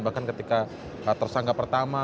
bahkan ketika tersangka pertama